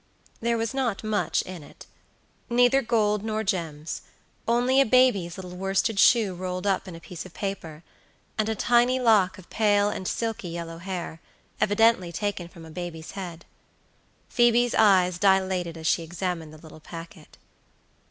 There was not much in it; neither gold nor gems; only a baby's little worsted shoe rolled up in a piece of paper, and a tiny lock of pale and silky yellow hair, evidently taken from a baby's head. Phoebe's eyes dilated as she examined the little packet.